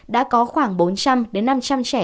đã có khoảng bốn trăm linh năm trăm linh trẻ